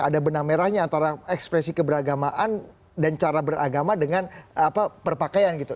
ada benang merahnya antara ekspresi keberagamaan dan cara beragama dengan perpakaian gitu